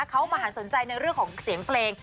เขามาหันสนใจในเรื่องของเสียงเพลง